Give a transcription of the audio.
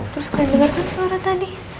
terus kalian denger kan suara tadi